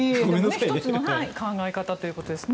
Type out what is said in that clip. １つの考え方ということですね。